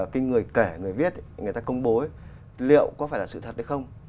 cái người kể người viết ấy người ta công bố ấy liệu có phải là sự thật hay không